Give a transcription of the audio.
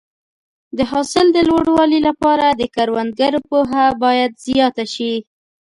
د حاصل د لوړوالي لپاره د کروندګرو پوهه باید زیاته شي.